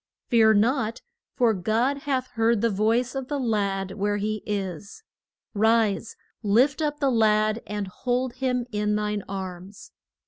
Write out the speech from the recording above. Fear not, for God hath heard the voice of the lad where he is. Rise, lift up the lad and hold him in thine arms.